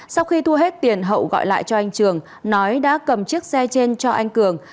sau khi thua hết tiền hậu gọi lại cho anh trường nói đã cầm chiếc xe trên cho anh cường